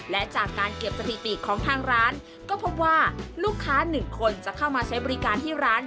และจากการเก็บสถิติของทางร้านก็พบว่าลูกค้าหนึ่งคนจะเข้ามาใช้บริการที่ร้าน